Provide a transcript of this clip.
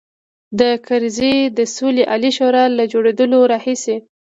د کرزي د سولې عالي شورا له جوړېدلو راهیسې.